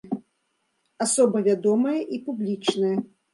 Асоба вядомая і публічная.